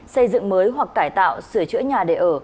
xây dựng mới hoặc cải tạo sửa chữa nhà để ở